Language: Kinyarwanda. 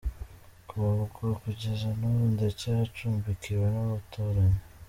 Kuva ubwo kugeza n’ubu ndacyacumbikiwe n’umuturanyi.